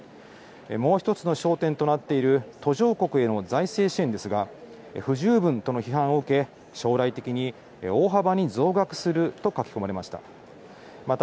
もう１つの焦点となっている途上国への財政支援ですが不十分との批判を受け、将来的に大幅に増額すると書き込まれました。